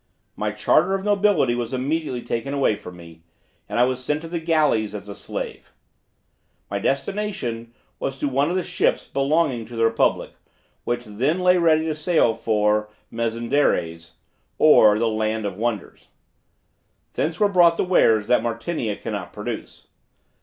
My charter of nobility was immediately taken from me, and I was sent to the galleys as a slave. My destination was to one of the ships belonging to the republic, which then lay ready to sail for Mezendares, or the Land of wonders. Thence were brought the wares that Martinia cannot produce.